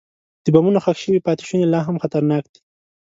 د بمونو ښخ شوي پاتې شوني لا هم خطرناک دي.